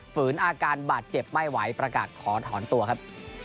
อาการบาดเจ็บไม่ไหวประกาศขอถอนตัวครับ